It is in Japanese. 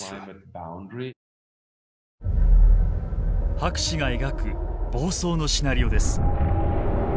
博士が描く暴走のシナリオです。